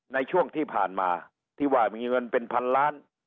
ในช่วงที่ผ่านมาที่ว่ามีเงินเป็นพันล้าน